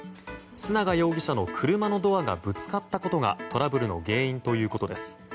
須永容疑者の車のドアがぶつかったことがトラブルの原因ということです。